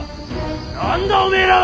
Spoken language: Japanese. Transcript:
何だおめえらは！